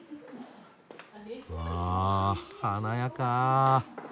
わあ華やか。